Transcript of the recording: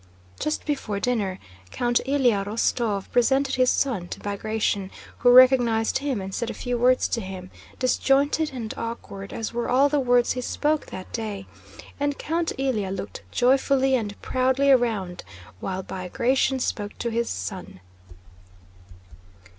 Just before dinner, Count Ilyá Rostóv presented his son to Bagratión, who recognized him and said a few words to him, disjointed and awkward, as were all the words he spoke that day, and Count Ilyá looked joyfully and proudly around while Bagratión spoke to his son.